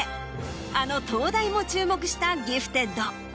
あの東大も注目したギフテッド。